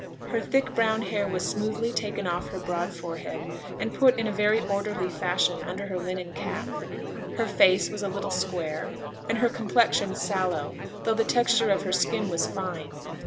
Her thick brown hair was smoothly taken off her broad forehead, and put in a very orderly fashion, under her linen cap; her face was a little square, and her complexion sallow, though the texture of her skin was fine.